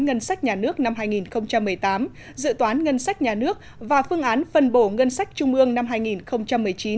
ngân sách nhà nước năm hai nghìn một mươi tám dự toán ngân sách nhà nước và phương án phân bổ ngân sách trung ương năm hai nghìn một mươi chín